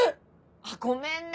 あっごめんね。